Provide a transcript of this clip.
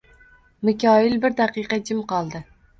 Mikoyil bir daqiqa jim qoldi